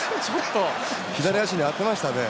左足に当てましたね。